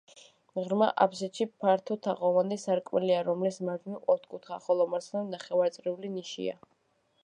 ღრმა აფსიდში ფართო თაღოვანი სარკმელია, რომლის მარჯვნივ ოთხკუთხა, ხოლო მარცხნივ ნახევარწრიული ნიშია.